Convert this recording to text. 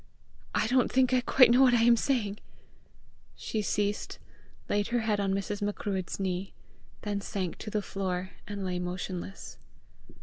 I don't think I quite know what I am saying!" She ceased, laid her head on Mrs. Macruadh's knee, then sank to the floor, and lay motionless.